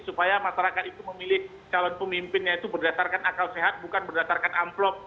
supaya masyarakat itu memilih calon pemimpinnya itu berdasarkan akal sehat bukan berdasarkan amplop